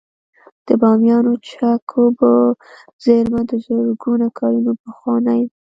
د بامیانو چک اوبو زیرمه د زرګونه کلونو پخوانۍ ده